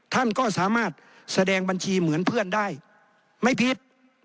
ท่านก็สามารถแสดงบัญชีเหมือนเพื่อนได้ไม่ผิด